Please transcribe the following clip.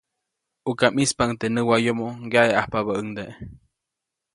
ʼUka ʼmispaʼuŋ teʼ näwayomo, ŋyaʼeʼajpabäʼuŋde.